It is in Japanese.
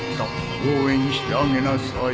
応援してあげなさい